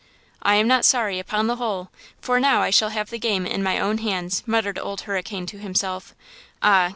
"I am not sorry, upon the whole, for now I shall have the game in my own hands!" muttered Old Hurricane to himself, "Ah!